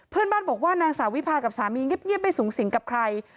เพื่อนบ้านบอกว่านางสาววิพากับสามีเงียบไม่สูงสิงกับใคร